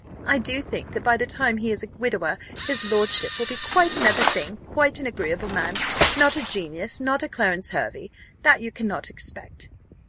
I do think, that by the time he is a widower his lordship will be quite another thing, quite an agreeable man not a genius, not a Clarence Hervey that you cannot expect.